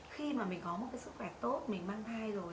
khi mà mình có một cái sức khỏe tốt mình mang thai rồi